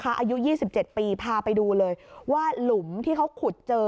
อายุ๒๗ปีพาไปดูเลยว่าหลุมที่เขาขุดเจอ